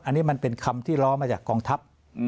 อันนี้มันเป็นคำที่ล้อมาจากกองทัพ